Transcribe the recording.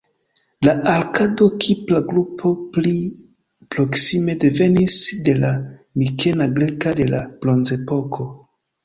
La arkado-kipra grupo pli proksime devenis de la mikena greka de la Bronzepoko.